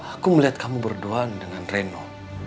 aku melihat kamu berdoa dengan reno